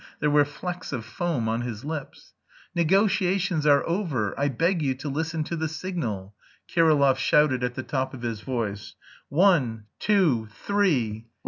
There were flecks of foam on his lips. "Negotiations are over. I beg you to listen to the signal!" Kirillov shouted at the top of his voice. "One! Two! Three!"